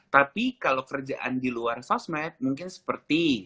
tapi kalau kerjaan di luar sosmed mungkin seperti